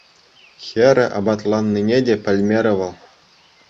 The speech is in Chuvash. Хӗрӗ аппатланнине те пӗлмерӗ вӑл.